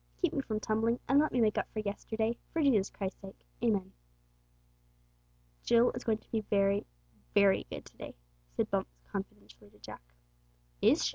Keep me from tumbling, and let me make up for yesterday, for Jesus Christ's sake. Amen." "Jill is going to be very, very good to day," said Bumps confidentially to Jack. "Is she?"